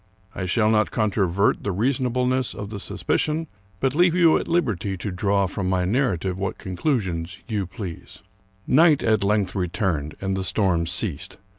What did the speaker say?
I shall not controvert the reasonableness of 227 American Mystery Slorics the suspicion, but leave you at liberty to draw from my narrative what conclusions you please. Night at length returned, and the storm ceased.